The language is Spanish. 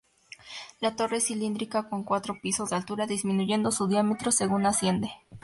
La torre es cilíndrica con cuatro pisos de altura disminuyendo su diámetro según asciende.